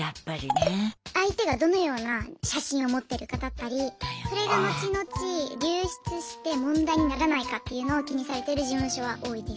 相手がどのような写真を持ってるかだったりそれが後々流出して問題にならないかっていうのを気にされてる事務所は多いです。